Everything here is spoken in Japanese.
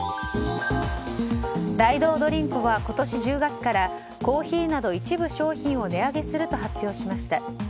ダイドードリンコは今年１０月からコーヒーなど一部商品を値上げすると発表しました。